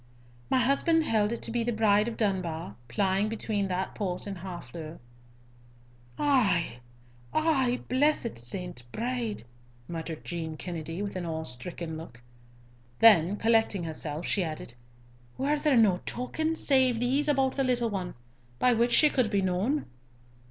"My husband held it to be the Bride of Dunbar, plying between that port and Harfleur." "Ay! ay! Blessed St. Bride!" muttered Jean Kennedy, with an awe stricken look; then, collecting herself, she added, "Were there no tokens, save these, about the little one, by which she could be known?"